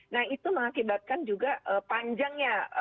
nah itu mengakibatkan juga panjangnya